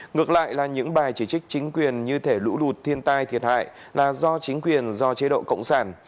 ngược lại là những bài chỉ trích chính quyền như thể lũ lụt thiên tai thiệt hại là do chính quyền do chế độ cộng sản